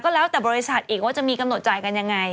แล้วแต่บริษัทอีกว่าจะมีกำหนดจ่ายกันยังไง